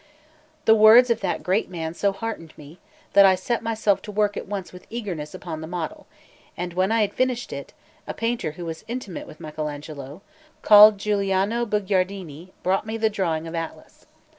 The words of that great man so heartened me, that I set myself to work at once with eagerness upon the model; and when I had finished it, a painter who was intimate with Michel Agnolo, called Giuliano Bugiardini, brought me the drawing of Atlas.